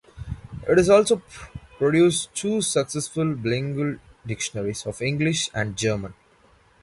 It also produced two successful bilingual dictionaries of English and German.